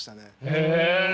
へえ！